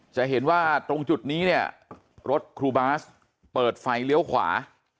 จะเห็นว่าตรงจุดนี้เนี่ยรถครูบาสเปิดไฟเลี้ยวขวา